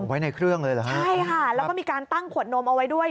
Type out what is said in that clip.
ไว้ในเครื่องเลยเหรอฮะใช่ค่ะแล้วก็มีการตั้งขวดนมเอาไว้ด้วย